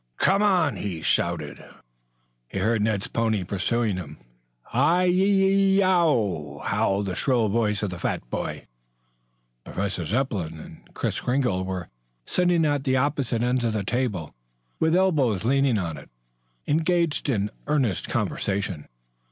"Come on!" he shouted. He heard Ned's pony pursuing him. "Hi yi yi y e o w!" howled the shrill voice of the fat boy. Professor Zepplin and Kris Kringle were sitting at opposite ends of the table, with elbows leaning on it, engaged in earnest conversation.